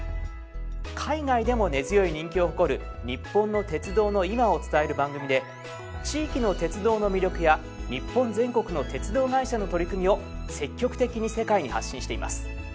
海外でも根強い人気を誇る日本の鉄道の今を伝える番組で地域の鉄道の魅力や日本全国の鉄道会社の取り組みを積極的に世界に発信しています。